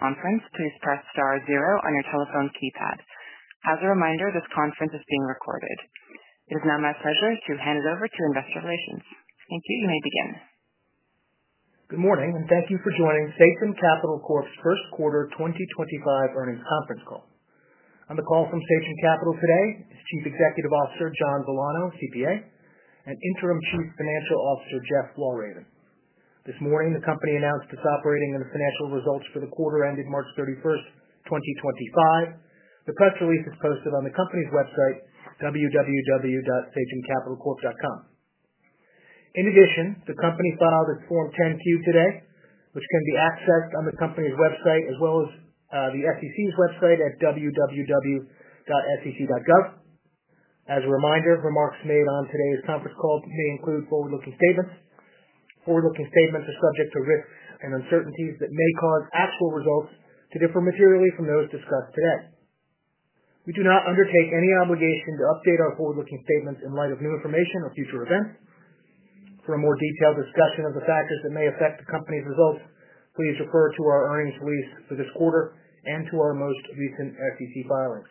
Conference, please press star zero on your telephone keypad. As a reminder, this conference is being recorded. It is now my pleasure to hand it over to Investor Relations. Thank you. You may begin. Good morning, and thank you for joining Sachem Capital Corp's First Quarter 2025 Earnings Conference Call. On the call from Sachem Capital today is Chief Executive Officer John Villano, CPA, and Interim Chief Financial Officer Jeff Walraven. This morning, the company announced its operating and financial results for the quarter ended March 31st, 2025. The press release is posted on the company's website, www.sachemcapitalcorp.com. In addition, the company filed its Form 10-Q today, which can be accessed on the company's website as well as the SEC's website at www.sec.gov. As a reminder, remarks made on today's conference call may include forward-looking statements. Forward-looking statements are subject to risks and uncertainties that may cause actual results to differ materially from those discussed today. We do not undertake any obligation to update our forward-looking statements in light of new information or future events. For a more detailed discussion of the factors that may affect the company's results, please refer to our earnings release for this quarter and to our most recent SEC filings.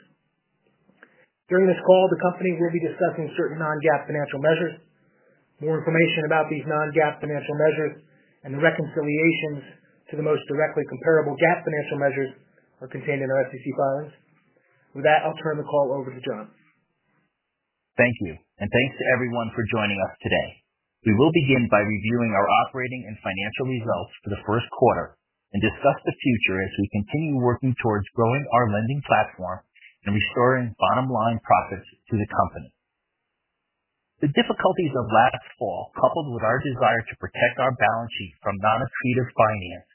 During this call, the company will be discussing certain non-GAAP financial measures. More information about these non-GAAP financial measures and the reconciliations to the most directly comparable GAAP financial measures are contained in our SEC filings. With that, I'll turn the call over to John. Thank you, and thanks to everyone for joining us today. We will begin by reviewing our operating and financial results for the first quarter and discuss the future as we continue working towards growing our lending platform and restoring bottom-line profits to the company. The difficulties of last fall, coupled with our desire to protect our balance sheet from non-accretive finance,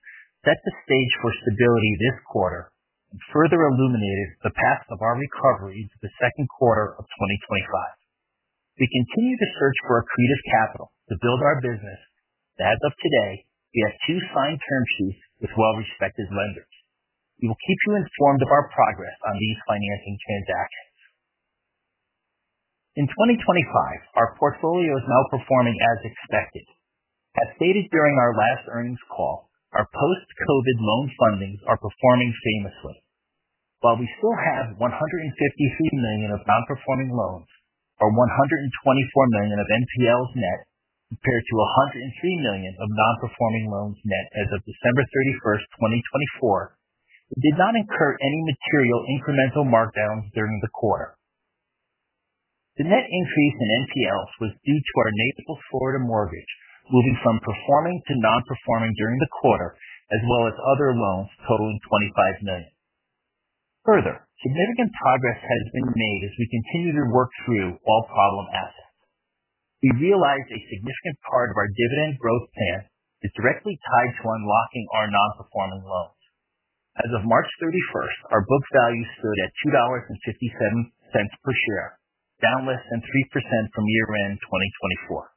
set the stage for stability this quarter and further illuminated the path of our recovery into the second quarter of 2025. We continue to search for accretive capital to build our business, and as of today, we have two signed term sheets with well-respected lenders. We will keep you informed of our progress on these financing transactions. In 2025, our portfolio is now performing as expected. As stated during our last earnings call, our post-COVID loan fundings are performing famously. While we still have $153 million of non-performing loans or $124 million of NPLs net compared to $103 million of non-performing loans net as of December 31st, 2024, it did not incur any material incremental markdowns during the quarter. The net increase in NPLs was due to our Naples, Florida mortgage moving from performing to non-performing during the quarter, as well as other loans totaling $25 million. Further, significant progress has been made as we continue to work through all problem assets. We realized a significant part of our dividend growth plan is directly tied to unlocking our non-performing loans. As of March 31st, our book value stood at $2.57 per share, down less than 3% from year-end 2024.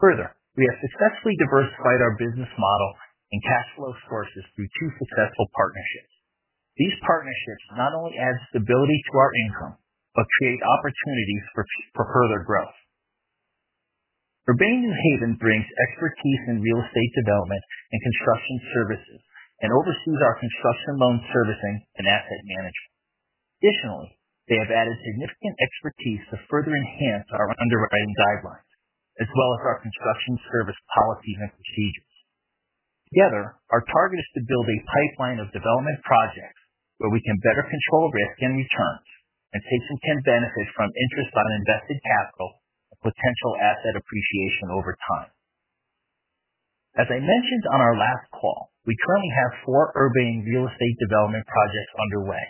Further, we have successfully diversified our business model and cash flow sources through two successful partnerships. These partnerships not only add stability to our income but create opportunities for further growth. Urbane New Haven brings expertise in real estate development and construction services and oversees our construction loan servicing and asset management. Additionally, they have added significant expertise to further enhance our underwriting guidelines as well as our construction service policies and procedures. Together, our target is to build a pipeline of development projects where we can better control risk and returns, and Sachem can benefit from interest on invested capital and potential asset appreciation over time. As I mentioned on our last call, we currently have four Urbane real estate development projects underway,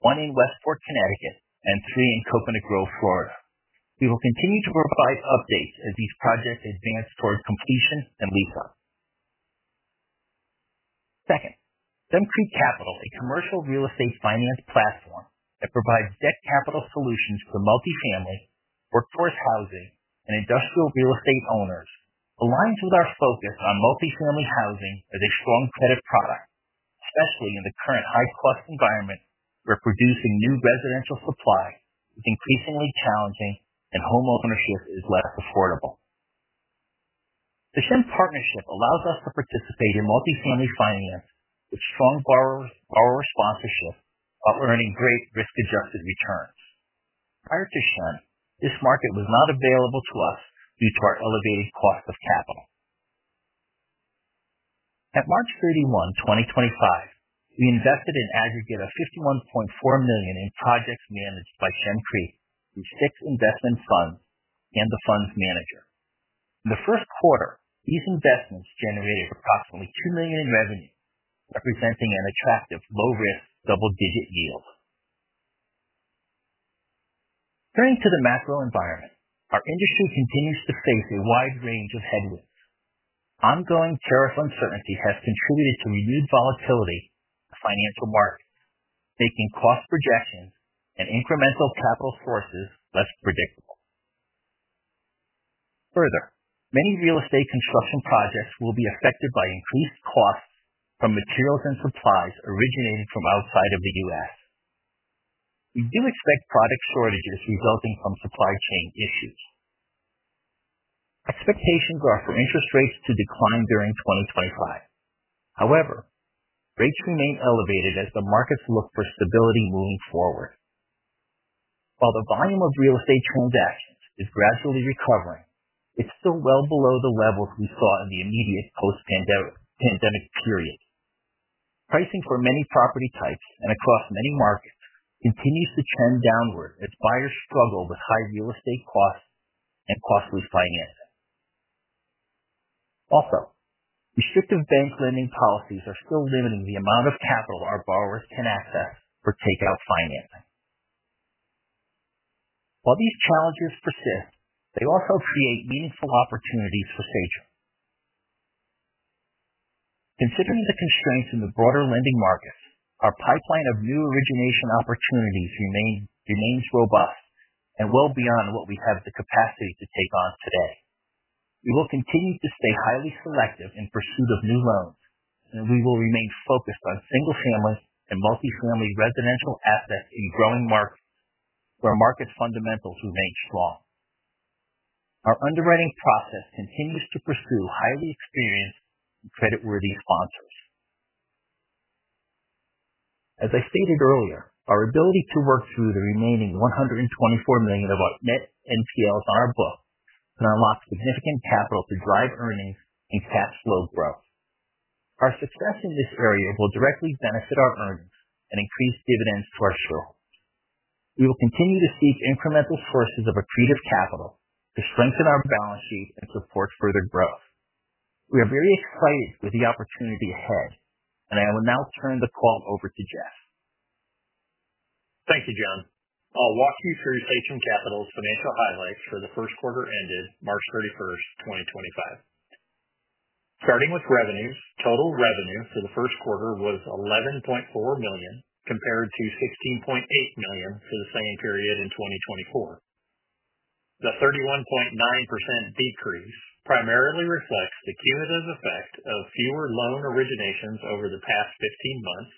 one in Westport, Connecticut, and three in Coconut Grove, Florida. We will continue to provide updates as these projects advance towards completion and lease-out. Second, Shem Creek Capital, a commercial real estate finance platform that provides debt capital solutions for multifamily, workforce housing, and industrial real estate owners, aligns with our focus on multifamily housing as a strong credit product, especially in the current high-cost environment where producing new residential supply is increasingly challenging and homeownership is less affordable. The Sachem partnership allows us to participate in multifamily finance with strong borrower sponsorship while earning great risk-adjusted returns. Prior to Sachem, this market was not available to us due to our elevated cost of capital. At March 31, 2025, we invested an aggregate of $51.4 million in projects managed by Shem Creek through six investment funds and the funds manager. In the first quarter, these investments generated approximately $2 million in revenue, representing an attractive low-risk double-digit yield. Turning to the macro environment, our industry continues to face a wide range of headwinds. Ongoing tariff uncertainty has contributed to renewed volatility in the financial markets, making cost projections and incremental capital sources less predictable. Further, many real estate construction projects will be affected by increased costs from materials and supplies originating from outside of the U.S. We do expect product shortages resulting from supply chain issues. Expectations are for interest rates to decline during 2025. However, rates remain elevated as the markets look for stability moving forward. While the volume of real estate transactions is gradually recovering, it's still well below the levels we saw in the immediate post-pandemic period. Pricing for many property types and across many markets continues to trend downward as buyers struggle with high real estate costs and costly financing. Also, restrictive bank lending policies are still limiting the amount of capital our borrowers can access for takeout financing. While these challenges persist, they also create meaningful opportunities for Sachem. Considering the constraints in the broader lending markets, our pipeline of new origination opportunities remains robust and well beyond what we have the capacity to take on today. We will continue to stay highly selective in pursuit of new loans, and we will remain focused on single-family and multifamily residential assets in growing markets where market fundamentals remain strong. Our underwriting process continues to pursue highly experienced and creditworthy sponsors. As I stated earlier, our ability to work through the remaining $124 million of our net NPLs on our book can unlock significant capital to drive earnings and cash flow growth. Our success in this area will directly benefit our earnings and increase dividends to our shareholders. We will continue to seek incremental sources of accretive capital to strengthen our balance sheet and support further growth. We are very excited with the opportunity ahead, and I will now turn the call over to Jeff. Thank you, John. I'll walk you through Sachem Capital's financial highlights for the first quarter ended March 31, 2025. Starting with revenues, total revenue for the first quarter was $11.4 million compared to $16.8 million for the same period in 2024. The 31.9% decrease primarily reflects the cumulative effect of fewer loan originations over the past 15 months,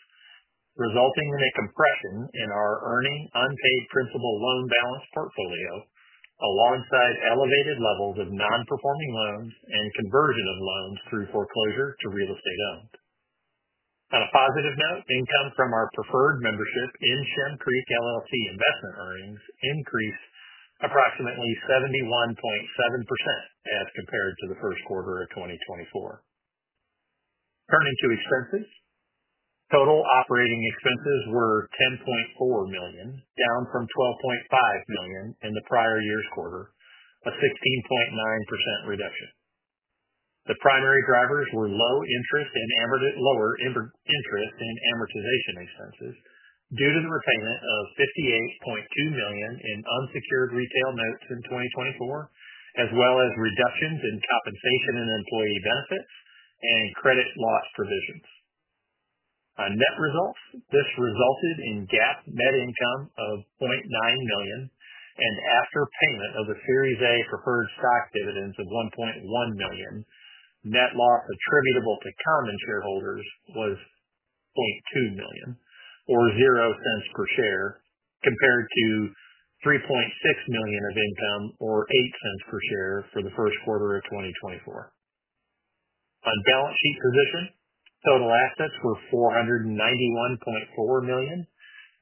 resulting in a compression in our earning unpaid principal loan balance portfolio alongside elevated levels of non-performing loans and conversion of loans through foreclosure to real estate owned. On a positive note, income from our preferred membership in Shem Creek investment earnings increased approximately 71.7% as compared to the first quarter of 2024. Turning to expenses, total operating expenses were $10.4 million, down from $12.5 million in the prior year's quarter, a 16.9% reduction. The primary drivers were lower interest and lower interest in amortization expenses due to the repayment of $58.2 million in unsecured retail notes in 2024, as well as reductions in compensation and employee benefits and credit loss provisions. On net results, this resulted in GAAP net income of $0.9 million, and after payment of the Series A preferred stock dividends of $1.1 million, net loss attributable to common shareholders was $0.2 million, or $0.00 per share, compared to $3.6 million of income or $0.08 per share for the first quarter of 2024. On balance sheet position, total assets were $491.4 million,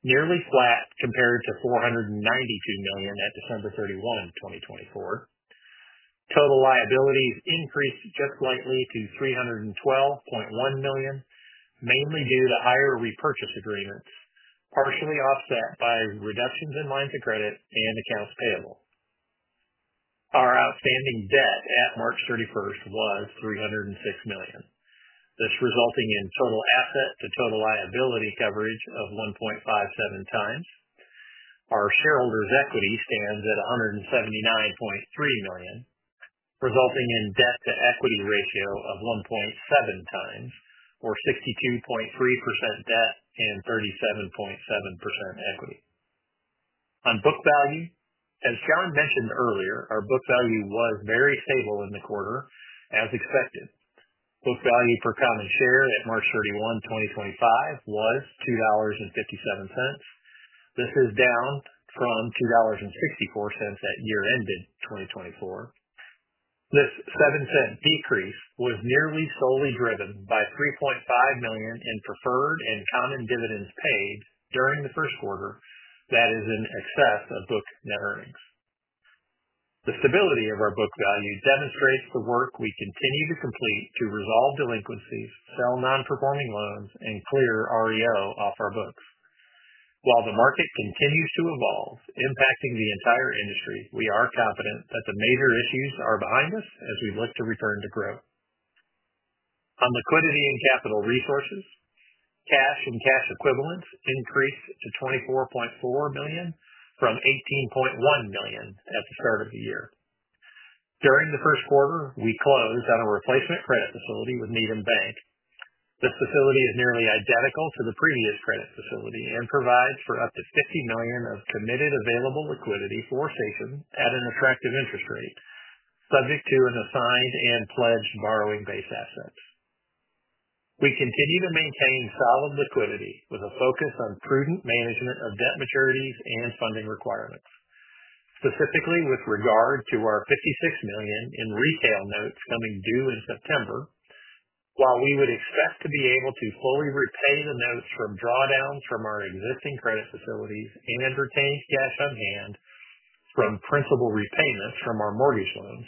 nearly flat compared to $492 million at December 31, 2024. Total liabilities increased just slightly to $312.1 million, mainly due to higher repurchase agreements, partially offset by reductions in lines of credit and accounts payable. Our outstanding debt at March 31 was $306 million, this resulting in total asset to total liability coverage of 1.57 times. Our shareholders' equity stands at $179.3 million, resulting in debt to equity ratio of 1.7 times, or 62.3% debt and 37.7% equity. On book value, as John mentioned earlier, our book value was very stable in the quarter, as expected. Book value per common share at March 31, 2025, was $2.57. This is down from $2.64 at year-end in 2024. This seven-cent decrease was nearly solely driven by $3.5 million in preferred and common dividends paid during the first quarter that is in excess of book net earnings. The stability of our book value demonstrates the work we continue to complete to resolve delinquencies, sell non-performing loans, and clear REO off our books. While the market continues to evolve, impacting the entire industry, we are confident that the major issues are behind us as we look to return to grow. On liquidity and capital resources, cash and cash equivalents increased to $24.4 million from $18.1 million at the start of the year. During the first quarter, we closed on a replacement credit facility with Needham Bank. This facility is nearly identical to the previous credit facility and provides for up to $50 million of committed available liquidity for Sachem at an attractive interest rate, subject to assigned and pledged borrowing base assets. We continue to maintain solid liquidity with a focus on prudent management of debt maturities and funding requirements, specifically with regard to our $56 million in retail notes coming due in September. While we would expect to be able to fully repay the notes from drawdowns from our existing credit facilities and retain cash on hand from principal repayments from our mortgage loans,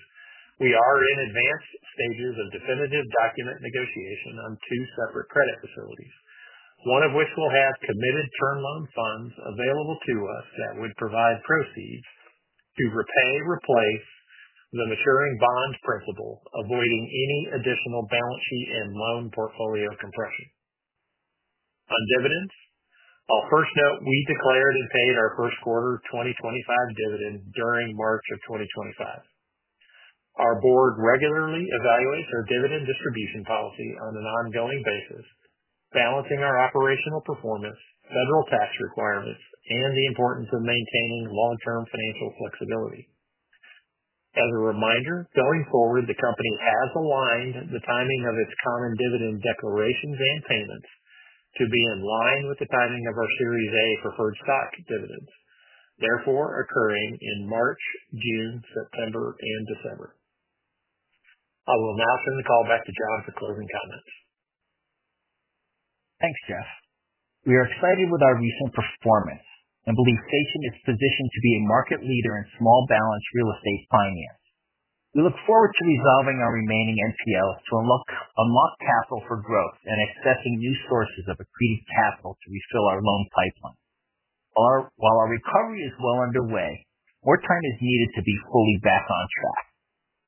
we are in advanced stages of definitive document negotiation on two separate credit facilities, one of which will have committed term loan funds available to us that would provide proceeds to repay/replace the maturing bond principal, avoiding any additional balance sheet and loan portfolio compression. On dividends, I'll first note we declared and paid our first quarter 2025 dividend during March of 2025. Our board regularly evaluates our dividend distribution policy on an ongoing basis, balancing our operational performance, federal tax requirements, and the importance of maintaining long-term financial flexibility. As a reminder, going forward, the company has aligned the timing of its common dividend declarations and payments to be in line with the timing of our Series A preferred stock dividends, therefore occurring in March, June, September, and December. I will now turn the call back to John for closing comments. Thanks, Jeff. We are excited with our recent performance and believe Sachem is positioned to be a market leader in small balance real estate finance. We look forward to resolving our remaining NPLs to unlock capital for growth and accessing new sources of accretive capital to refill our loan pipeline. While our recovery is well underway, more time is needed to be fully back on track.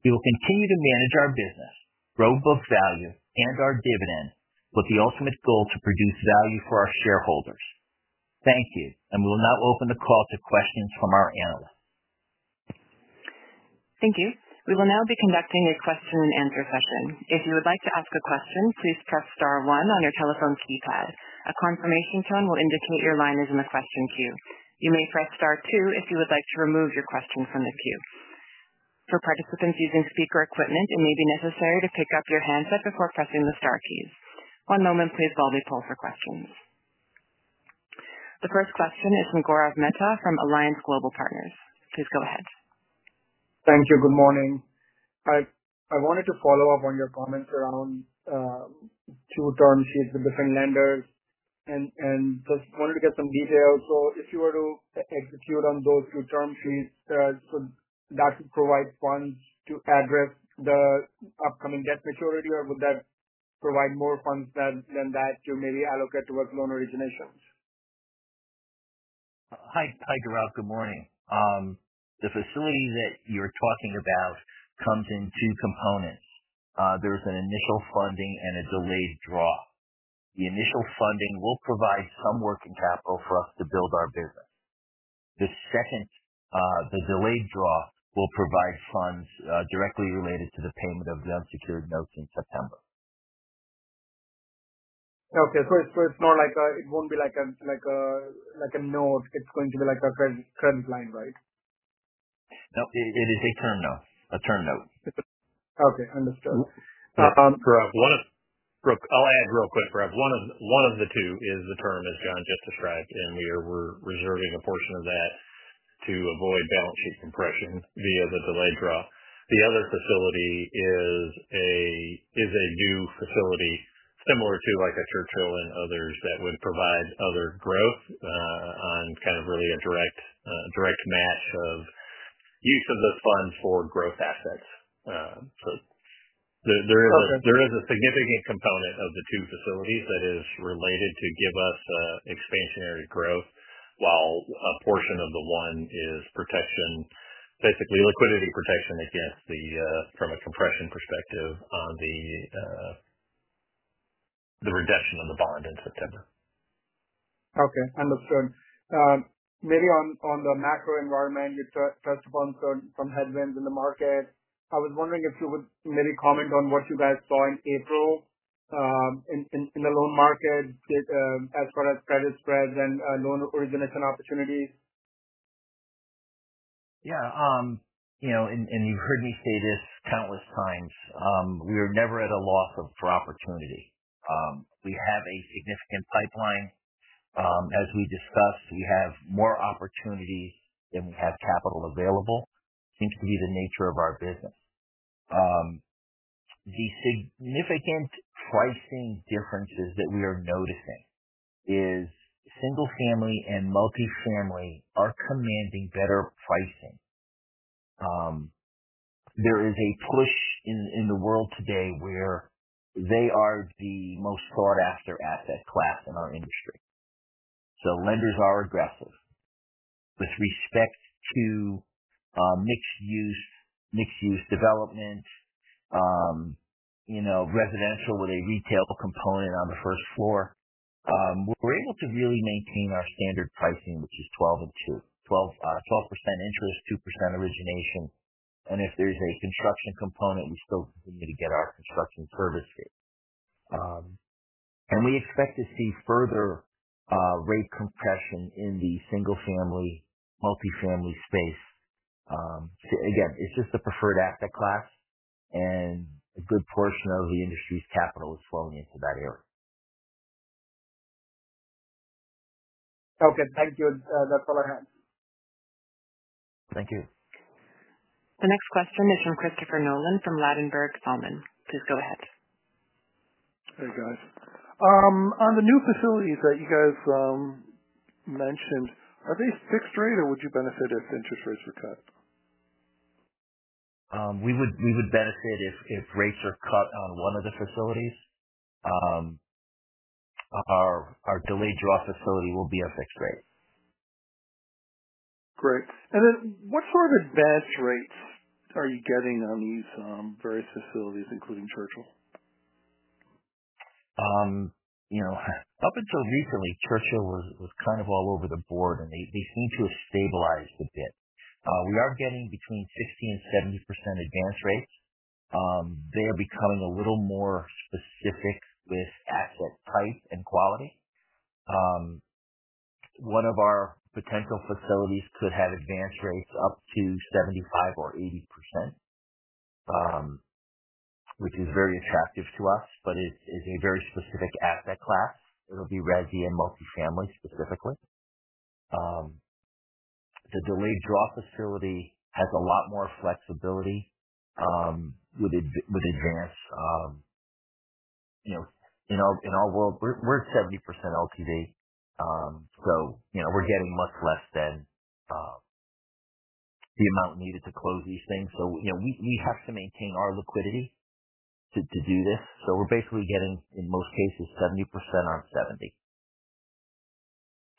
We will continue to manage our business, grow book value, and our dividend with the ultimate goal to produce value for our shareholders. Thank you, and we will now open the call to questions from our analysts. Thank you. We will now be conducting a Q&A session. If you would like to ask a question, please press star one on your telephone keypad. A confirmation tone will indicate your line is in the question queue. You may press star two if you would like to remove your question from the queue. For participants using speaker equipment, it may be necessary to pick up your handset before pressing the star keys. One moment, please while we pull for questions. The first question is from Gaurav Mehta from Alliance Global Partners. Please go ahead. Thank you. Good morning. I wanted to follow up on your comments around two term sheets with different lenders and just wanted to get some details. If you were to execute on those two term sheets, would that provide funds to address the upcoming debt maturity, or would that provide more funds than that to maybe allocate towards loan originations? Hi, Gaurav. Good morning. The facility that you're talking about comes in two components. There's an initial funding and a delayed draw. The initial funding will provide some working capital for us to build our business. The second, the delayed draw will provide funds directly related to the payment of the unsecured notes in September. Okay. So it's more like it won't be like a note. It's going to be like a credit line, right? No, it is a term note, a term note. Okay. Understood. I'll add real quick, Gaurav. One of the two is the term as John just described, and we are reserving a portion of that to avoid balance sheet compression via the delayed draw. The other facility is a new facility similar to like a Churchill and others that would provide other growth on kind of really a direct match of use of those funds for growth assets. There is a significant component of the two facilities that is related to give us expansionary growth, while a portion of the one is protection, basically liquidity protection against the, from a compression perspective, on the reduction of the bond in September. Okay. Understood. Maybe on the macro environment, you touched upon some headwinds in the market. I was wondering if you would maybe comment on what you guys saw in April in the loan market as far as credit spreads and loan origination opportunities. Yeah. You have heard me say this countless times. We are never at a loss for opportunity. We have a significant pipeline. As we discussed, we have more opportunities than we have capital available. That seems to be the nature of our business. The significant pricing differences that we are noticing is single-family and multifamily are commanding better pricing. There is a push in the world today where they are the most sought-after asset class in our industry. Lenders are aggressive. With respect to mixed-use development, residential with a retail component on the first floor, we are able to really maintain our standard pricing, which is 12% interest, 2% origination. If there is a construction component, we still continue to get our construction service fee. We expect to see further rate compression in the single-family, multifamily space. Again, it's just a preferred asset class, and a good portion of the industry's capital is flowing into that area. Okay. Thank you. That's all I had. Thank you. The next question is from Christopher Nolan from Ladenburg Thalmann. Please go ahead. Hey, guys. On the new facilities that you guys mentioned, are they fixed rate, or would you benefit if interest rates were cut? We would benefit if rates are cut on one of the facilities. Our delayed draw facility will be a fixed rate. Great. What sort of advance rates are you getting on these various facilities, including Churchill? Up until recently, Churchill was kind of all over the board, and they seem to have stabilized a bit. We are getting between 60% and 70% advance rates. They are becoming a little more specific with asset type and quality. One of our potential facilities could have advance rates up to 75% or 80%, which is very attractive to us, but it is a very specific asset class. It'll be resi and multifamily specifically. The delayed draw facility has a lot more flexibility with advance. In our world, we're at 70% LTV, so we're getting much less than the amount needed to close these things. We have to maintain our liquidity to do this. We're basically getting, in most cases, 70% on 70.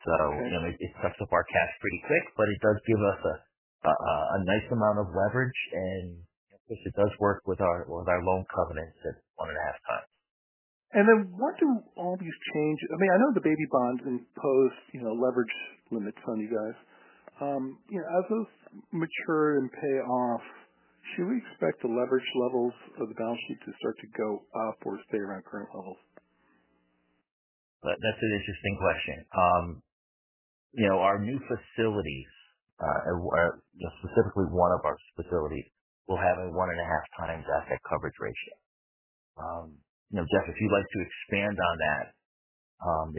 It sucks up our cash pretty quick, but it does give us a nice amount of leverage, and of course, it does work with our loan covenants at one and a half times. What do all these change? I mean, I know the baby bonds impose leverage limits on you guys. As those mature and pay off, should we expect the leverage levels of the balance sheet to start to go up or stay around current levels? That's an interesting question. Our new facilities, specifically one of our facilities, will have a one and a half times asset coverage ratio. Jeff, if you'd like to expand on that,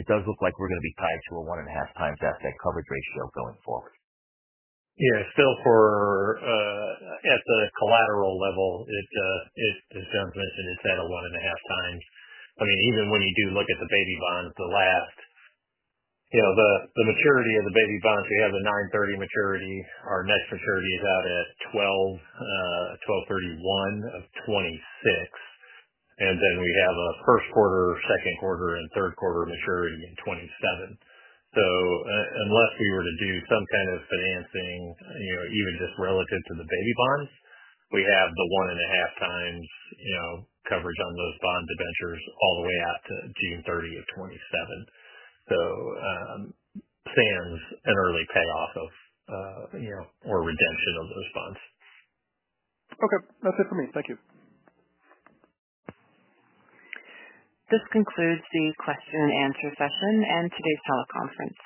it does look like we're going to be tied to a one and a half times asset coverage ratio going forward. Yeah. Still, at the collateral level, as John's mentioned, it's at a one and a half times. I mean, even when you do look at the baby bonds, the last, the maturity of the baby bonds, we have the 9/30 maturity. Our next maturity is out at 12/31 of 2026. We have a first quarter, second quarter, and third quarter maturity in 2027. Unless we were to do some kind of financing, even just relative to the baby bonds, we have the one and a half times coverage on those bond indentures all the way out to June 30 of 2027, sans an early payoff or redemption of those bonds. Okay. That's it for me. Thank you. This concludes the Q&A session and today's teleconference.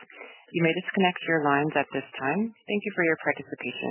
You may disconnect your lines at this time. Thank you for your participation.